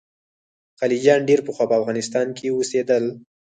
خلجیان ډېر پخوا په افغانستان کې اوسېدل.